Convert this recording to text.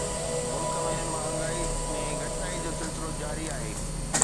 ملڪ ۾ مهانگائي ۾ گهٽتائي جو سلسلو جاري آهي